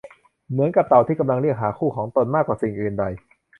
เหมือนกับเต่าที่กำลังเรียกหาคู่ของตนมากกว่าสิ่งอื่นใด